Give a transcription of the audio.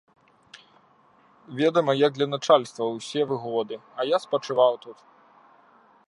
Ведама, як для начальства, усе выгоды, а я спачываў тут.